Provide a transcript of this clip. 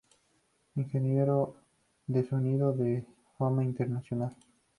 Ingeniero de sonido de fama internacional.